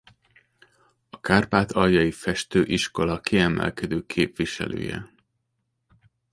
A kárpátaljai festőiskola kiemelkedő képviselője.